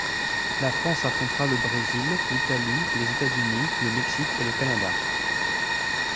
La France affrontera le Brésil, l'Italie, les États-Unis, le Mexique et le Canada.